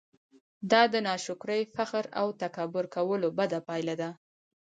دا د ناشکرۍ، فخر او تکبير کولو بده پايله ده!